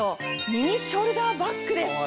ミニショルダーバッグです。